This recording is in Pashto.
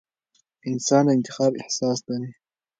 انسان د انتخاب احساس لري.